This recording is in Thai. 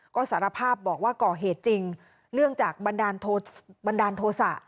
ก็สารภาพบอกว่าก่อเหตุจริงเนื่องจากบันดาลโทษะ